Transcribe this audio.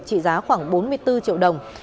trị giá khoảng bốn mươi bốn triệu đồng